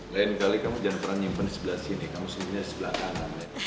lain kali kamu jangan pernah nyimpen di sebelah sini kamu seharusnya di sebelah kanan ya